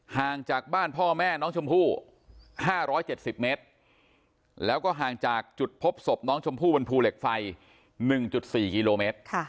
ห่างจากบ้านพ่อแม่น้องชมพู่๕๗๐เมตรแล้วก็ห่างจากจุดพบศพน้องชมพู่บนภูเหล็กไฟ๑๔กิโลเมตร